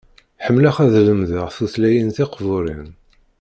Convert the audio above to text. Ḥemmleɣ ad lemdeɣ tutlayin tiqbuṛin.